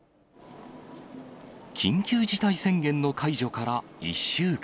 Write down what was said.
緊急事態宣言の解除から１週間。